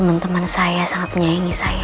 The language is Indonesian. temen temen saya sangat menyayangi saya